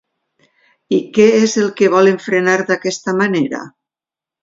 I què és el que volen frenar d'aquesta manera?